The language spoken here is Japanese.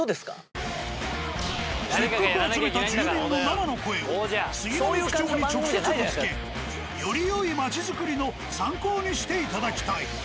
せっかく集めた住民の生の声を杉並区長に直接ぶつけよりよい町作りの参考にしていただきたい。